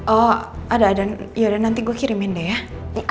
oh ada dan yaudah nanti gue kirimin deh ya